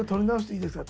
いいですか？」